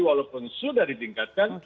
walaupun sudah ditingkatkan